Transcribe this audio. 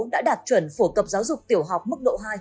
đã đạt chuẩn phổ cập giáo dục tiểu học mức độ hai